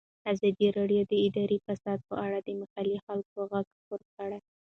ازادي راډیو د اداري فساد په اړه د محلي خلکو غږ خپور کړی.